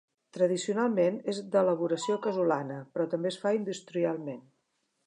Tradicionalment és d'elaboració casolana però també es fa industrialment.